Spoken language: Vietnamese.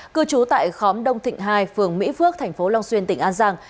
cư trú tại khóm đông thịnh hai phường mỹ phước tp long xuyên tỉnh an giang